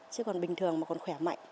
chứ còn bình thường mà còn khỏe mạnh